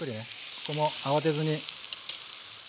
ここも慌てずに。